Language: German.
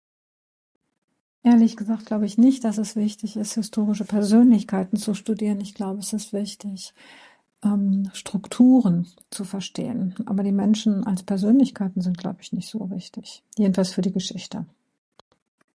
Ehrlich gesagt glaube ich nicht, dass es wichtig ist, historische Persönlichkeiten zu studieren. Ich glaube, es ist wichtig, Strukturen zu verstehen, aber die Menschen als Persönlichkeiten sind, glaube ich, nicht so wichtig. Jedenfalls für die Geschichte.